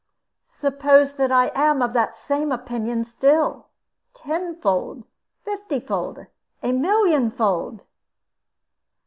"Suppose that I am of the same opinion still? Tenfold, fiftyfold, a millionfold?"